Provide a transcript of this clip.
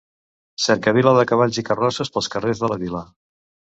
Cercavila de cavalls i carrosses pels carrers de la vila.